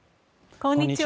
こんにちは。